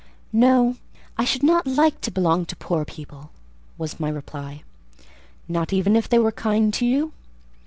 "No; I should not like to belong to poor people," was my reply. "Not even if they were kind to you?"